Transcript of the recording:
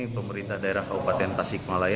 pemerintah daerah kabupaten tasikmalaya